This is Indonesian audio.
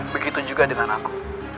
begitu juga dengan aku